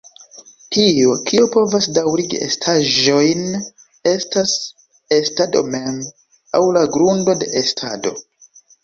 Tio, kio povas daŭrigi estaĵojn estas estado mem, aŭ la "grundo de estado.